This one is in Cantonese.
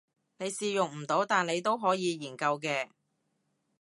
你試用唔到但你都可以研究嘅